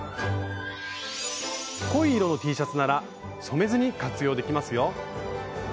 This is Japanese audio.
濃い色のＴシャツなら染めずに活用できますよ。